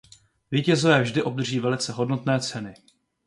Vítězové vždy obdrží velice hodnotné ceny.